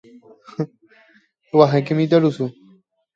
Eg̃uahẽke mitãrusu.